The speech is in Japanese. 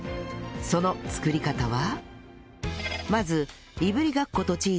その作り方は